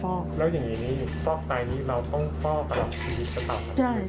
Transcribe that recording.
แล้วอย่างนี้ฟอกตายนี้เราต้องฟอกตลอดชีวิตตลอด